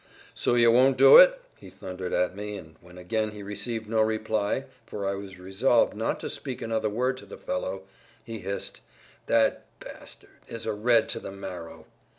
"So you won't do it?" he thundered at me, and when again he received no reply—for I was resolved not to speak another word to the fellow—he hissed, "That b—— is a Red to the marrow!"